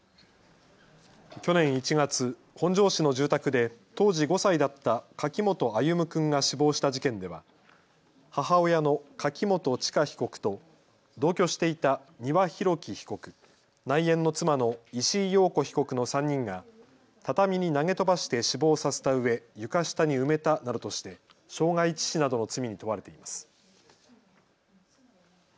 去年１月、本庄市の住宅で当時、５歳だった柿本歩夢君が死亡した事件では母親の柿本知香被告と同居していた丹羽洋樹被告、内縁の妻の石井陽子被告の３人が畳に投げ飛ばして死亡させたうえ床下に埋めたなどとして傷害致死などの罪に問われています。